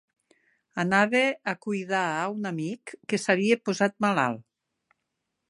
Anava a cuidar a un amic que s'havia posat malalt